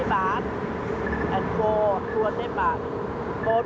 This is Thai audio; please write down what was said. และ๔ตัว๑๐บาท